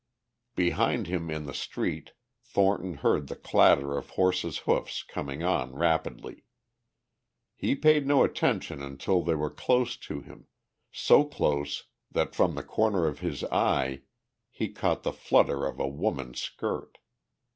Behind him in the street Thornton heard the clatter of horses' hoofs coming on rapidly. He paid no attention until they were close to him, so close that from the corner of his eye he caught the flutter of a woman's skirt.